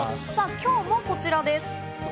今日もこちらです。